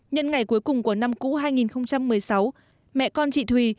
nhân ngày cuối cùng của năm cũ hai nghìn một mươi sáu mẹ con chị thùy